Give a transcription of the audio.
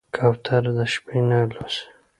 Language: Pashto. کوتره د شپې نه الوزي.